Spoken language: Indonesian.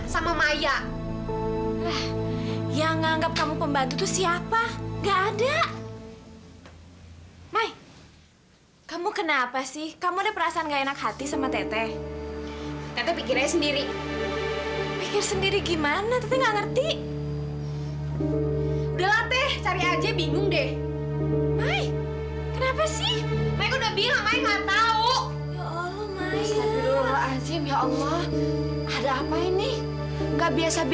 sampai jumpa di video selanjutnya